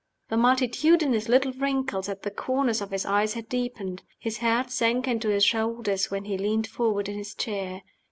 The multitudinous little wrinkles at the corners of his eyes had deepened. His head sank into his shoulders when he leaned forward in his chair.